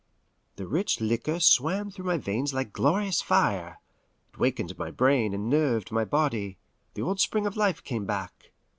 The rich liquor swam through my veins like glorious fire. It wakened my brain and nerved my body. The old spring of life came back.